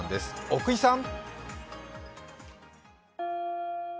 奥井さん。